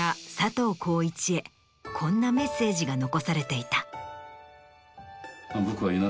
こんなメッセージが残されていた。